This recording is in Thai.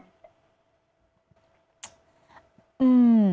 ใช่